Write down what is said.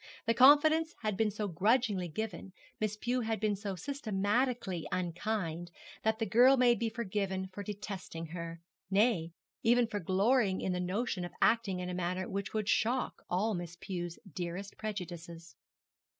The confidence had been so grudgingly given, Miss Pew had been so systematically unkind, that the girl may be forgiven for detesting her, nay, even for glorying in the notion of acting in a manner which would shock all Miss Pew's dearest prejudices.